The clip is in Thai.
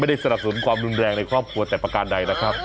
สนับสนุนความรุนแรงในครอบครัวแต่ประการใดนะครับ